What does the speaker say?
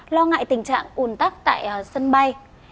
lo ngại tình trạng ồn tắc tại sân bay